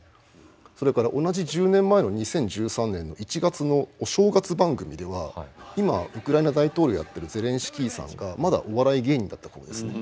それから同じ１０年前の２０１３年の１月のお正月番組では今ウクライナ大統領をやってるゼレンスキーさんがまだお笑い芸人だった頃ですね。